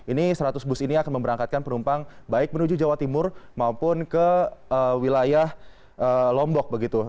ini seratus bus ini akan memberangkatkan penumpang baik menuju jawa timur maupun ke wilayah lombok begitu